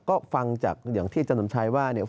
ก็ฟังจากอย่างที่อาจารย์สำชัยว่า